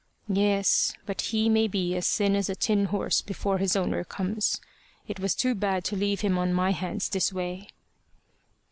"Yes, but he may be as thin as a tin horse before his owner comes. It was too bad to leave him on my hands this way."